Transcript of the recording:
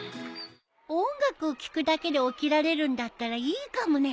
音楽を聴くだけで起きられるんだったらいいかもね。